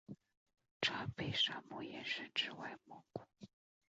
察北沙漠延伸至外蒙古。